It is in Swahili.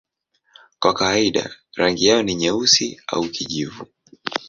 Kwa kawaida rangi yao ni nyeusi au kijivu.